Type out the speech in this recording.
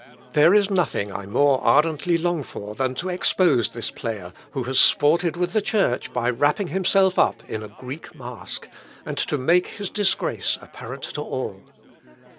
There is nothing I more ardently long for than to expose this player, who has sported with the Church by wrapping himself up in a Greek mask, and to make his disgrace apparent to all."